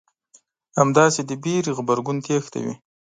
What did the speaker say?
همداسې د وېرې غبرګون تېښته وي.